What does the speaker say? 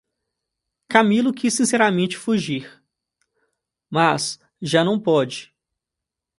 Camilo quis sinceramente fugir, mas já não pôde.